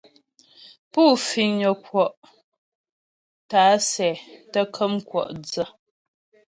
Pú fiŋnyə kwɔ' tǎ'a sɛ tə́ kəm kwɔ' dsə.